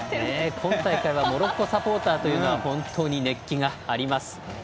今大会はモロッコサポーターは本当に熱気があります。